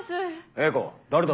英子誰だ？